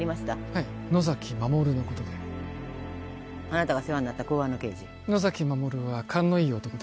はい野崎守のことであなたが世話になった公安の刑事野崎守は勘のいい男です